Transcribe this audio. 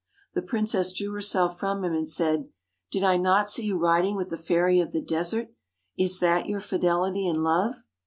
The princess drew herself from him and said: ' Did I not see you riding with the Fairy of the Desert? Is that your fidelity and love